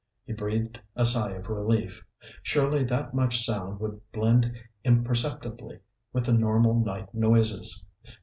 He breathed a sigh of relief. Surely that much sound would blend imperceptibly with the normal night noises.